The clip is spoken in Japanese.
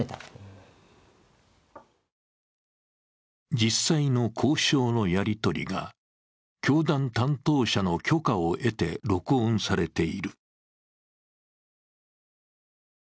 実際の交渉のやり取りが教団担当者の許可を得て録音されている。